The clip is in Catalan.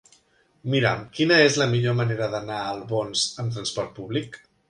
Mira'm quina és la millor manera d'anar a Albons amb trasport públic.